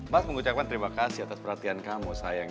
mas mau ucapkan terima kasih atas perhatian kamu sayang